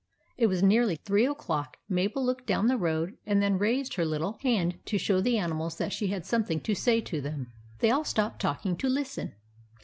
It was nearly three o'clock. Mabel looked down the road, and then raised her little hand to show the animals that she had something to say to them. They all stopped talking to listen.